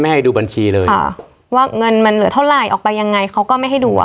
ให้ดูบัญชีเลยค่ะว่าเงินมันเหลือเท่าไหร่ออกไปยังไงเขาก็ไม่ให้ดูอ่ะ